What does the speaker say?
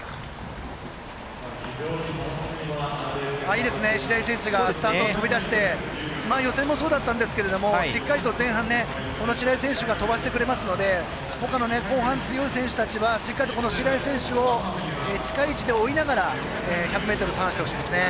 いいですね、白井選手がスタートから飛び出して予選もそうだったんですけどしっかりと前半、白井選手が飛ばしてくれますので後半に強い選手たちが白井選手を近い位置で追いながら１００ｍターンしてほしいですね。